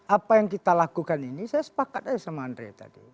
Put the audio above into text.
apa yang kita lakukan ini saya sepakat aja sama andre tadi